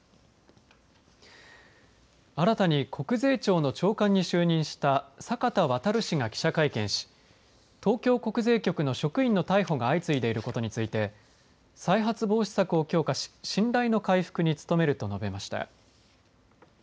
新たに国税庁の長官に就任した阪田渉氏が記者会見し東京国税局の職員の逮捕が相次いでいることについて再発防止策を強化し信頼の回復に努めると述べました。